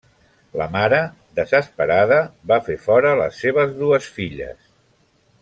La mare, desesperada, va fer fora les seves dues filles.